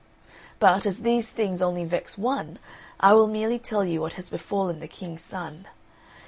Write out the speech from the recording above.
But, as these things only vex one, I will merely tell you what has befallen the King's son.